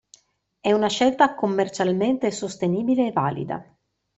È una scelta commercialmente sostenibile e valida.